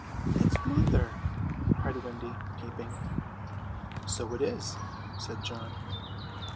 "It's mother!" cried Wendy, peeping. "So it is!" said John.